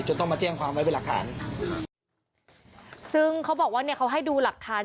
ต้องมาแจ้งความไว้เป็นหลักฐานซึ่งเขาบอกว่าเนี่ยเขาให้ดูหลักฐาน